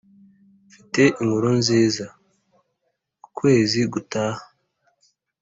mfite inkuru nziza. ukwezi gutaha,